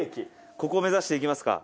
ここを目指して行きますか。